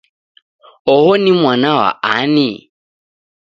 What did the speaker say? Oho ni mwana wa ani?